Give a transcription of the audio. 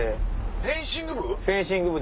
フェンシング部？